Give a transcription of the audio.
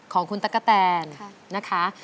ของคุณตั๊กกะแตนนะคะ